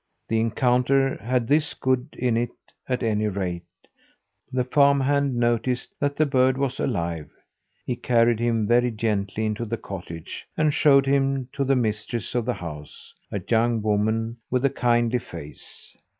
The encounter had this good in it at any rate: the farm hand noticed that the bird was alive. He carried him very gently into the cottage, and showed him to the mistress of the house a young woman with a kindly face.